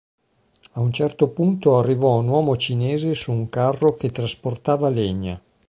A un certo punto arrivò un uomo cinese su un carro che trasportava legna.